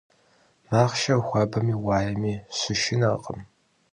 Махъшэр хуабэми уаеми щышынэркъым.